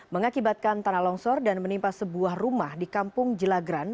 mengakibatkan tanah longsor dan menimpa sebuah rumah di kampung jelagran